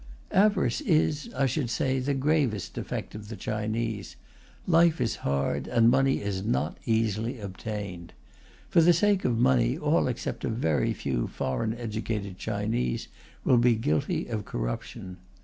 Avarice is, I should say, the gravest defect of the Chinese. Life is hard, and money is not easily obtained. For the sake of money, all except a very few foreign educated Chinese will be guilty of corruption.